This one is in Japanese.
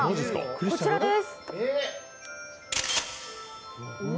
こちらです。